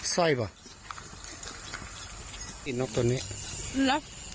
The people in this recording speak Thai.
ซ่อยหรอนกตัวเนี้ย